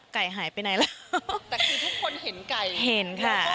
ไก่หายไปไหน